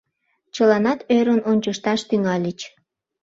Чыланат ӧрын ончышташ тӱҥальыч.